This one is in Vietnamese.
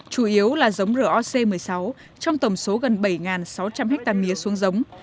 chủ yếu là giống roc một mươi sáu trong tổng số gần bảy sáu trăm linh hectare mía xuống giống